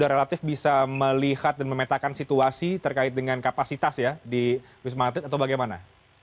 relatif bisa melihat dan memetakan situasi terkait dengan kapasitas ya di wisma atlet atau bagaimana